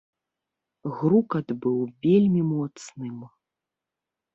Грукат быў вельмі моцным.